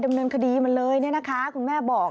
ดำเนินคดีมันเลยเนี่ยนะคะคุณแม่บอก